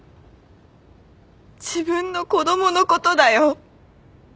自分の子供のことだよ。